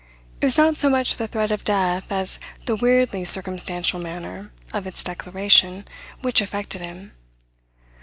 It was not so much the threat of death as the weirdly circumstantial manner of its declaration which affected him.